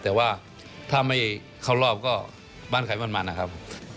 แต่ว่าถ้าไม่เข้ารอบก็บ้านใครบ้านมันนะครับ